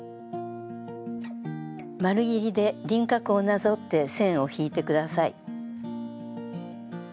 丸ぎりで輪郭をなぞって線を引いて下さい。